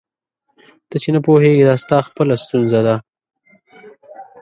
ته چي نه پوهېږې دا ستا خپله ستونزه ده.